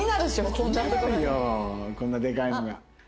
こんなでかいのが。